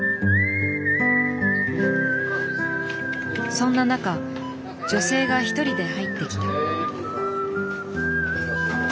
そんな中女性が１人で入ってきた。